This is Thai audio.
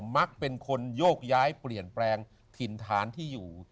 มักเป็นคนโยกย้ายเปลี่ยนแปลงถิ่นฐานที่อยู่